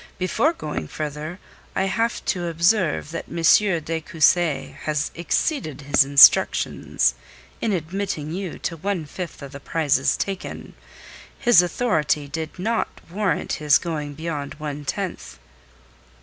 Before going further, I have to observe that M. de Cussy has exceeded his instructions in admitting you to one fifth of the prizes taken. His authority did not warrant his going beyond one tenth."